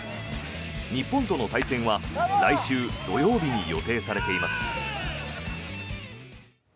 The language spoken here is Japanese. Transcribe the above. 日本との対戦は来週土曜日に予定されています。